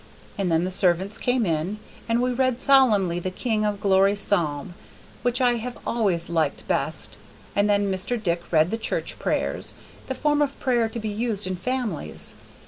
And then the servants came in, and she read solemnly the King of glory Psalm, which I have always liked best, and then Mr. Dick read the church prayers, the form of prayer to be used in families.